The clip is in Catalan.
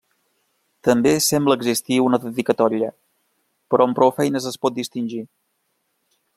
També sembla existir una dedicatòria, però amb prou feines es pot distingir.